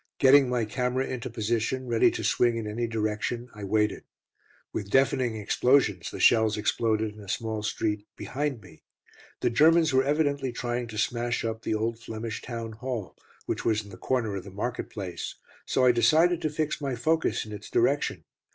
Getting my camera into position, ready to swing in any direction, I waited. With deafening explosions the shells exploded in a small street behind me. The Germans were evidently trying to smash up the old Flemish town hall, which was in the corner of the market place, so I decided to fix my focus in its direction.